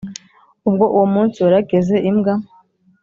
ubwo uwo munsi warageze imbwa